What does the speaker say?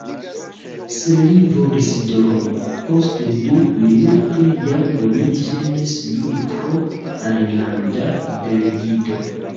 Se li volis dormi, post du minutoj jam oni ĝenis lin pro alilanda delegito.